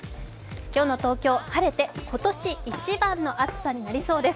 今日の東京、晴れて今年一番の暑さになりそうです。